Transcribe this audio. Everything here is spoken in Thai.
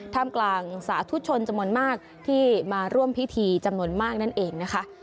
ท่ามกลางสาธุชนจำนวนมากที่มาร่วมพิธีจำนวนมากนั่นเองนะคะ